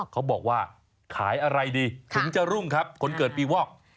เขาบอกว่าขายอะไรดีถึงจะรุ่งครับคนเกิดปีวอก